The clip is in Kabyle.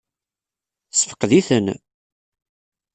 Tessefqed-iten?